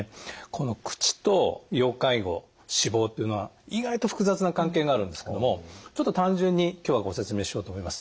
この口と要介護死亡っていうのは意外と複雑な関係があるんですけどもちょっと単純に今日はご説明しようと思います。